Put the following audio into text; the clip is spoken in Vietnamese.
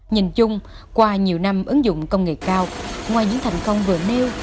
nhìn chung qua nhiều năm ứng dụng công nghệ cao ngoài những thành công vừa nêu